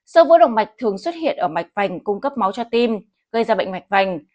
sơ vữa động mạch thường xuất hiện ở mạch vành cung cấp máu cho tim gây ra bệnh mạch vành